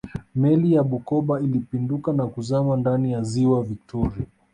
meli ya bukoba ilipinduka na kuzama ndani ya ziwa victoria